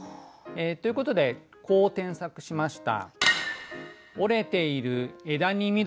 ということでこう添削しました。